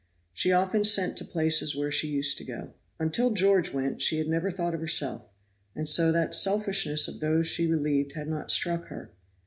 She often sent to places where she used to go. Until George went she had never thought of herself; and so the selfishness of those she relieved had not struck her.